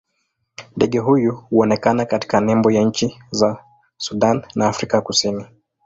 Ndege huyu huonekana katika nembo ya nchi za Sudan na Afrika Kusini.